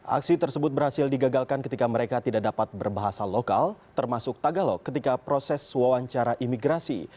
aksi tersebut berhasil digagalkan ketika mereka tidak dapat berbahasa lokal termasuk tagalo ketika proses wawancara imigrasi